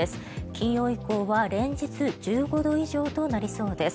金曜以降は連日１５度以上となりそうです。